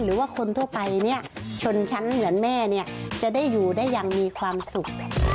หรือว่าคนทั่วไปชนชั้นเหมือนแม่จะได้อยู่ได้ยังมีความสุข